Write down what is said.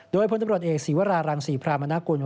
โดยพลตำรวจเอกศีวรารังศรีพรามนากุล